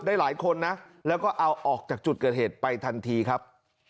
หลายคนนะแล้วก็เอาออกจากจุดเกิดเหตุไปทันทีครับ